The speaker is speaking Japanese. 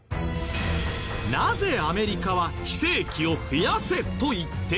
なぜアメリカは非正規を増やせ！と言ってきた？